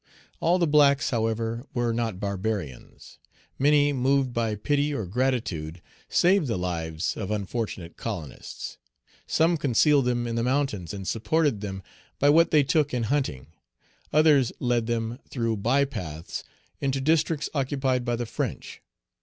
All the blacks, however, were not barbarians. Many, moved by pity or gratitude, saved the lives of unfortunate colonists. Some concealed them in the mountains, and supported them by what they took in hunting. Others led them, through by paths, into districts occupied by the French.